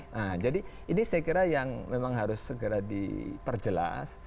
nah jadi ini saya kira yang memang harus segera diperjelas